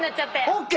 ＯＫ？